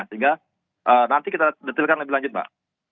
sehingga nanti kita detilkan lebih lanjut mbak